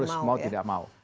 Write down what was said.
harus mau tidak mau